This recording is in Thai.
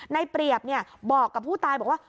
ในเปรียบเนี่ยบอกกับผู้ตายบอกว่า